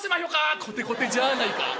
「コテコテじゃあないか。